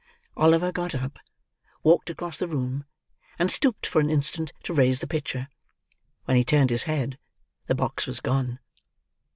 Oliver got up; walked across the room; and stooped for an instant to raise the pitcher. When he turned his head, the box was gone.